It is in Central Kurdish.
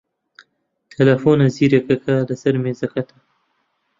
تەلەفۆنە زیرەکەکە لەسەر مێزەکەتە.